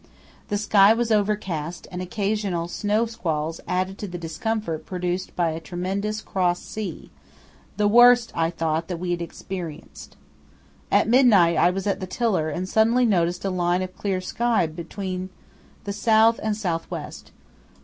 The sky was overcast and occasional snow squalls added to the discomfort produced by a tremendous cross sea—the worst, I thought, that we had experienced. At midnight I was at the tiller and suddenly noticed a line of clear sky between the south and south west.